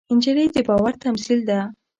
نجلۍ د باور تمثیل ده.